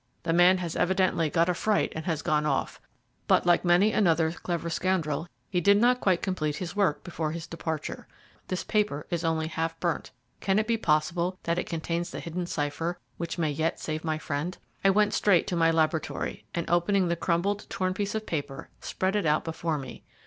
"The man has evidently got a fright and has gone off. But like many another clever scoundrel, he did not quite complete his work before his departure. This paper is only half burnt. Can it be possible that it contains the hidden cipher which may yet save my friend?" I went straight to my laboratory, and opening the crumpled, torn piece of paper spread it out before me.